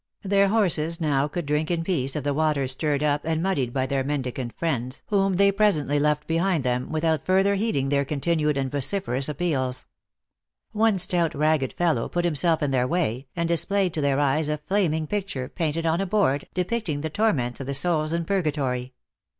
Their horses now could drink in peace of the water stirred up and muddied by their mendicant friends, whom they presently left behind them, with out further heeding their continued and vociferous ap peals. One stout ragged fellow put himself in their way, and displayed to their eyes a flaming picture, painted on a board, depicting the torments of the souls in purgatory.